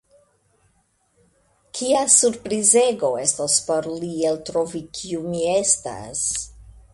Kia surprizego estos por li eltrovi kiu mi estas!